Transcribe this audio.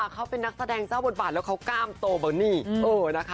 แข็งแรงมากจริง